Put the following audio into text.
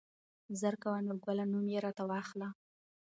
زر کوه نورګله نوم يې راته واخله.